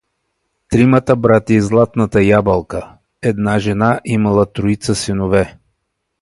Тримата братя и златната ябълка Една жена имала троица синове.